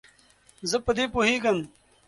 زه په دې پوهیږم.